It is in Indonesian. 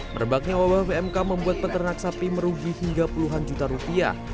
merebaknya wabah pmk membuat peternak sapi merugi hingga puluhan juta rupiah